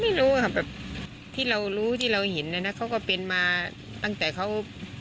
ไม่รู้ค่ะแบบที่เรารู้ที่เราเห็นนะนะเขาก็เป็นมาตั้งแต่เขา